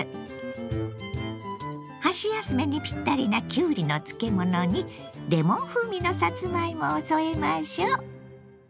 箸休めにぴったりなきゅうりの漬物にレモン風味のさつまいもを添えましょう。